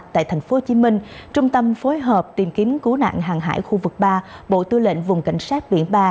tại thành phố hồ chí minh trung tâm phối hợp tìm kiếm cứu nạn hàng hải khu vực ba bộ tư lệnh vùng cảnh sát viện ba